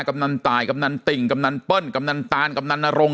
กำนันตายกำนันติ่งกำนันเปิ้ลกำนันตานกำนันนรงค